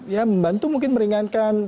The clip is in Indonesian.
ya membantu mungkin meringankan